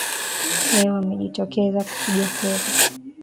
ee wamejitokeza kupiga kura